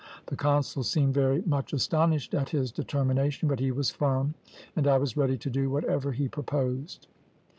The consul seemed very much astonished at his determination, but he was firm, and I was ready to do whatever he proposed.